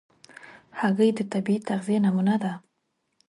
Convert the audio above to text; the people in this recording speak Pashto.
هګۍ د طبیعي تغذیې نمونه ده.